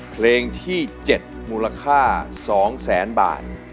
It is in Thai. เพลงที่๗มูลค่า๒๐๐๐๐๐บาท